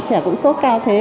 trẻ cũng suốt cao thế